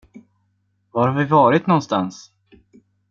Var har vi varit nånstans?